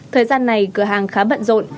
thời gian này cửa hàng khá bận rộn